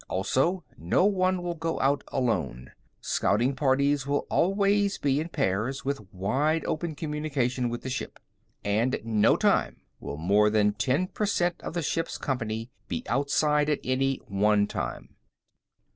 Also, no one will go out alone; scouting parties will always be in pairs, with wide open communication with the ship. And at no time will more than ten percent of the ship's company be outside at any one time."